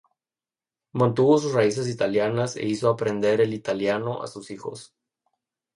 Mantuvo sus raíces italianas e hizo aprender el "italiano" a sus hijos.